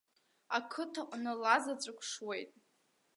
Ақыҭаҟны ла заҵәык шуеит.